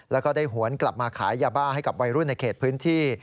แล้วก็ได้หวนกลับมาขายยาบ้าให้กับวัยรุ่นในเขตพื้นที่